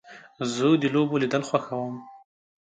زه د لوبو لیدل خوښوم.